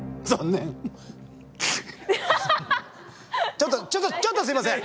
ちょっとちょっとちょっとすいません。